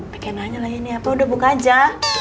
pekinannya lagi ini apa udah buka aja